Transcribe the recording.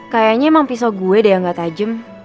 kayanya emang pisau gue deh yang gak tajem